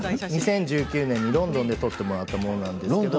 ２０１９年にロンドンで撮ってもらったものです。